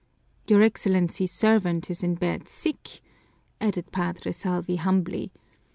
"Your Excellency's servant is in bed sick," added Padre Salvi humbly.